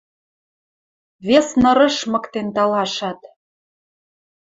Вес нырыш мыктен талашат.